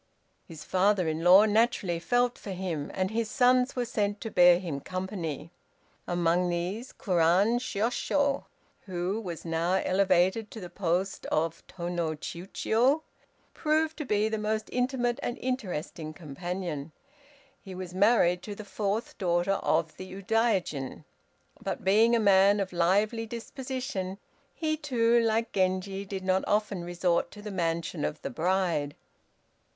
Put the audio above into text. His father in law naturally felt for him, and his sons were sent to bear him company. Among these, Kurand Shiôshiô, who was now elevated to the post of Tô no Chiûjiô, proved to be the most intimate and interesting companion. He was married to the fourth daughter of the Udaijin, but being a man of lively disposition, he, too, like Genji, did not often resort to the mansion of the bride.